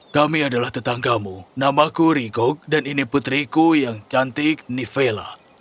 kami adalah tetanggamu namaku rigok dan ini putriku yang cantik nivela